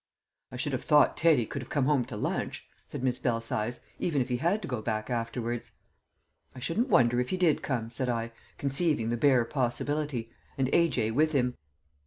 "I should have thought Teddy could have come home to lunch," said Miss Belsize, "even if he had to go back afterwards." "I shouldn't wonder if he did come," said I, conceiving the bare possibility: "and A.J. with him."